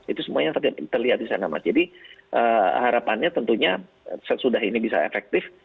itu semuanya terlihat di sana mas jadi harapannya tentunya sesudah ini bisa efektif